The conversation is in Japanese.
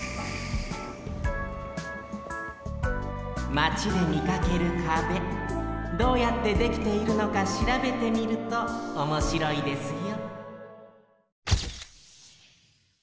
マチでみかける壁どうやってできているのかしらべてみるとおもしろいですよ